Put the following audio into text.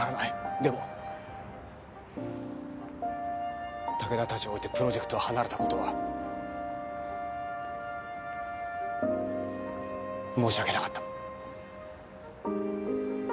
でも武田たちを置いてプロジェクトを離れた事は申し訳なかった。